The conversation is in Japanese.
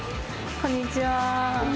こんにちは。